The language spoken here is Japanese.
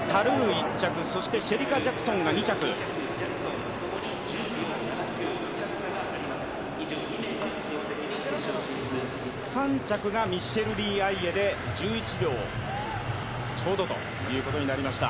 タ・ルー１着、そしてシェリカ・ジャクソンが２着、３着がミッシェル・リー・アイエで１１秒ちょうどということになりました。